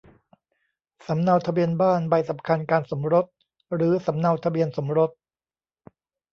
สำเนาทะเบียนบ้าน ใบสำคัญการสมรส หรือสำเนาทะเบียนสมรส